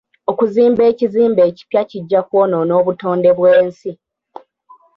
Okuzimba ekizimbe ekipya kijja kwonoona obutonde bw'ensi.